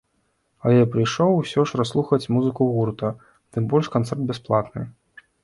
Але прыйшоў усё ж расслухаць музыку гурта, тым больш канцэрт бясплатны.